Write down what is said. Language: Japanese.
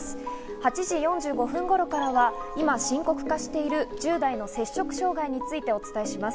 ８時４５分頃からは今、深刻化している１０代の摂食障害についてお伝えします。